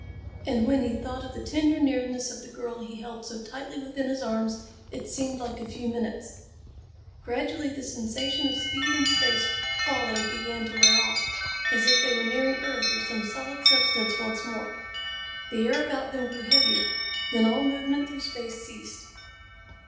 And when he thought of the tender nearness of the girl he held so tightly within his arms, it seemed like a few minutes. Gradually the sensation of speed and space falling began to wear off, as if they were nearing earth or some solid substance once more. The air about them grew heavier. Then all movement through space ceased.